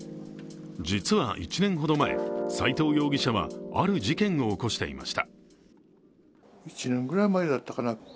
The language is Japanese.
実は１年ほど前、斎藤容疑者はある事件を起こしていました。